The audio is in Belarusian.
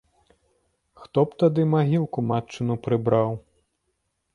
Хто б тады магілку матчыну прыбраў?